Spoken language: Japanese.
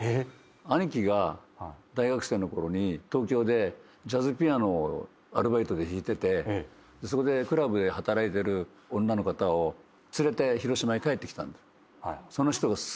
兄貴が大学生のころに東京でジャズピアノをアルバイトで弾いててそこでクラブで働いてる女の方を連れて広島へ帰ってきたんだよ。